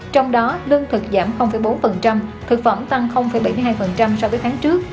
trong đó lương thực giảm bốn thực phẩm tăng bảy mươi hai so với tháng trước